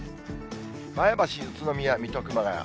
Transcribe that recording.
前橋、宇都宮、水戸、熊谷。